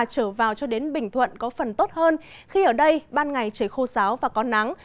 trở vào cho đến bình thuận có phần tốt hơn khi ở đây ban ngày trời khô sáo và có nắng